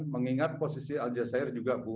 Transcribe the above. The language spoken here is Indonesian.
mengingat posisi aljazeera juga bu